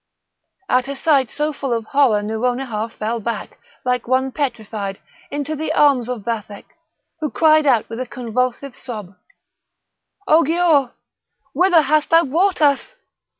At a sight so full of horror Nouronihar fell back, like one petrified, into the arms of Vathek, who cried out with a convulsive sob: "O Giaour! whither hast thou brought us?